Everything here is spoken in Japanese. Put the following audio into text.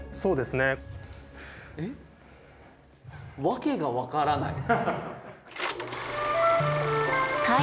訳が分からない。